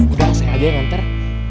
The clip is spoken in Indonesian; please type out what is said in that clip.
udah saya aja yang enter